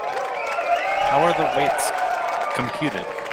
How are the weights computed?